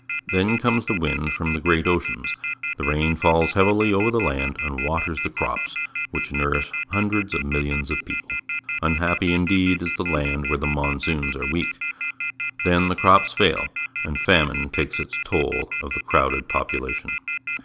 Then comes the wind from the great oceans. The rain falls heavily over the land and waters the crops which nourish hundreds of millions of people. Unhappy, indeed, is the land when the monsoons are weak! Then the crops fail, and famine takes its toll of the crowded population.